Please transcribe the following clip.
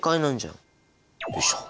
よいしょ。